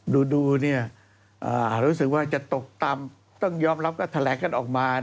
ดูเนี่ยรู้สึกว่าจะตกต่ำต้องยอมรับก็แถลงกันออกมา